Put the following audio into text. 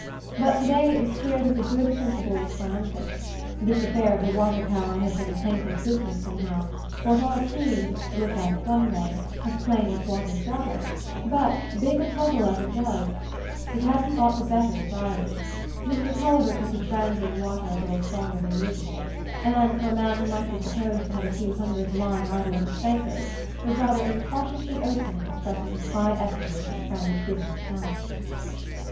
But to day it was clear that the good principle was triumphant: this affair of the water power had been a tangled business somehow, for all it seemed—look at it one way—as plain as water's water; but, big a puzzle as it was, it hadn't got the better of Riley. Mr Tulliver took his brandy and water a little stronger than usual, and, for a man who might be supposed to have a few hundreds lying idle at his banker's, was rather incautiously open in expressing his high estimate of his friend's business talents.